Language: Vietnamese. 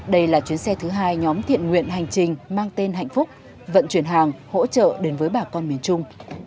đây là chuyến xe thứ hai nhóm thiện nguyện hành trình mang tên hạnh phúc vận chuyển hàng hỗ trợ đến với bà con miền trung